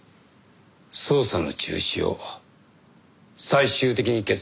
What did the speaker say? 捜査の中止を最終的に決断したのは現場だよ。